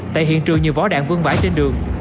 tại hiện trường nhiều vỏ đạn vương vãi trên đường